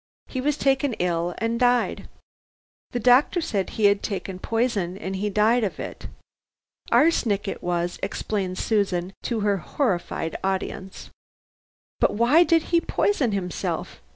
He was taken ill and died. The doctor said he had taken poison, and he died of it. Arsenic it was," explained Susan to her horrified audience. "But why did he poison himself?"